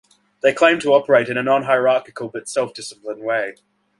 They claim to operate in a "non-hierarchical but self-disciplined way".